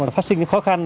phát sinh những khó khăn